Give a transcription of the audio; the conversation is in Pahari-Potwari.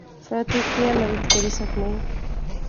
فہ تو کیہہ مدد کری سکنائیں